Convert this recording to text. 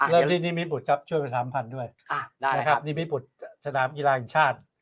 แล้วที่นิมิปุฏช่วยไป๓๐๐๐ด้วยนิมิปุฏสนามกีฬาอินชาติ